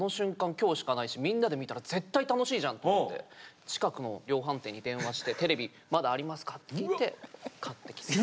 今日しかないしみんなで見たら絶対楽しいじゃんって思って近くの量販店に電話して「テレビまだありますか？」って聞いて買ってきて。